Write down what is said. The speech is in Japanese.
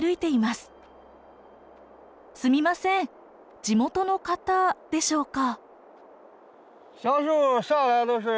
すみません地元の方でしょうか？